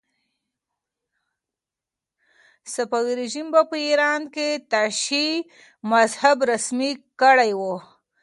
صفوي رژیم په ایران کې تشیع مذهب رسمي کړی و.